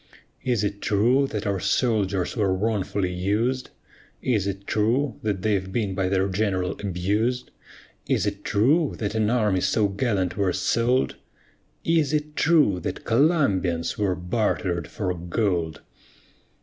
Is it true that our soldiers were wrongfully us'd? Is it true that they've been by their GENERAL abus'd? Is it true that an army so gallant were sold? Is it true that COLUMBIANS were barter'd for gold?